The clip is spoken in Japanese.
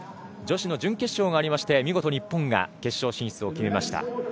女子の準決勝がありまして見事、日本が決勝進出を決めました。